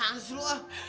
tans lu ah